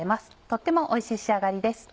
とってもおいしい仕上がりです。